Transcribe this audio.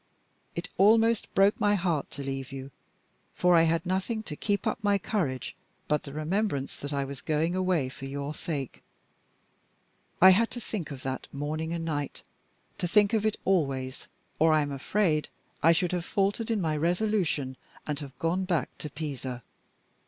It almost broke my heart to leave you; for I had nothing to keep up my courage but the remembrance that I was going away for your sake. I had to think of that, morning and night to think of it always, or I am afraid I should have faltered in my resolution, and have gone back to Pisa.